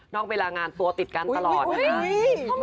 เวลางานตัวติดกันตลอดนะครับ